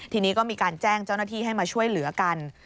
ทีนี้ก็มีการแจ้งเจ้าหน้าที่ให้มาช่วยเหลือกัน